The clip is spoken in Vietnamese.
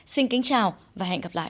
xin kính chào và hẹn gặp lại